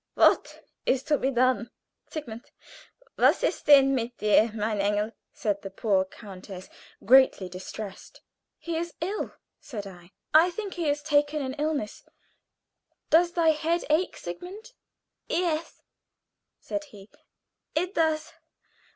What is to be done? Sigmund! Was ist denn mit dir, mein Engel?" said the poor countess, greatly distressed. "He is ill," said I. "I think he has taken an illness. Does thy head ache, Sigmund?" "Yes," said he, "it does.